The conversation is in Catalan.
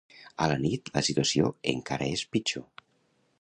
A la nit, la situació encara és pitjor.